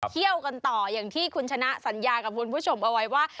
เที่ยวกันต่ออย่างที่คุณชนะสัญญากับคุณผู้ชมเอาไว้ว่า